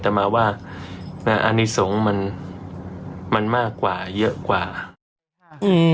จะมาว่าอันนี้สงฆ์มันมันมากกว่าเยอะกว่าอืม